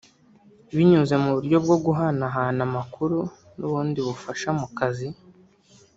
binyuze mu buryo bwo guhanahana amakuru n’ubundi bufasha mu kazi